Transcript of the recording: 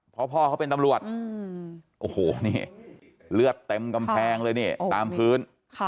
เพราะพ่อเขาเป็นตำรวจโอ้โหนี่เลือดเต็มกำแพงเลยนี่ตามพื้น